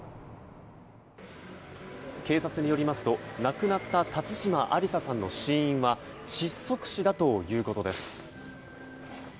警察によりますと亡くなった辰島ありささんの死因は窒息死だということです。